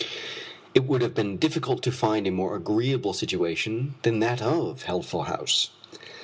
It would have been difficult to find a more agreeable situation than that of Healthful House.